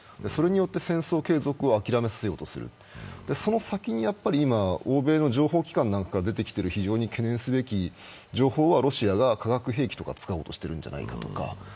それによって戦争継続を諦めさせようとする、その先に今、欧米の情報機関なんかが出てきている非常に懸念すべき情報は、ロシアが化学兵器とか使おうとしてるんじやないかとか。